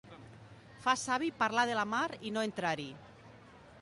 Fa savi parlar de la mar i no entrar-hi.